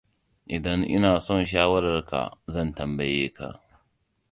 Idan ina son shawararka, zan tambaye ka.